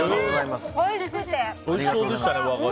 おいしくて。